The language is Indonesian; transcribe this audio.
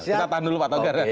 kita tahan dulu pak togar